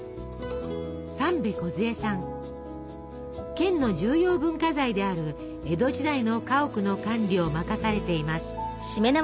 県の重要文化財である江戸時代の家屋の管理を任されています。